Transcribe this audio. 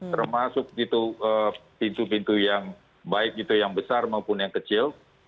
termasuk pintu pintu yang baik itu yang besar maupun yang kecil